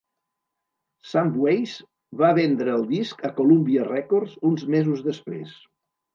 Sam Weiss va vendre el disc a Columbia Records uns mesos després.